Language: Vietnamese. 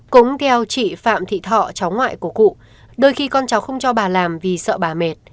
cũng theo chị phạm thị thọ cháu ngoại của cụ đôi khi con cháu không cho bà làm vì sợ bà mệt